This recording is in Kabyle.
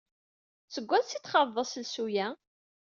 Seg wansi ay d-txaḍeḍ aselsu-a?